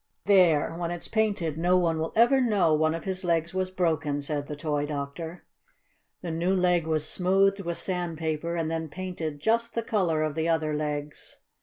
"There! When it's painted no one will ever know one of his legs was broken," said the toy doctor. The new leg was smoothed with sandpaper, and then painted just the color of the other legs.